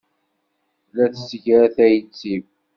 La tesgar tayet-iw.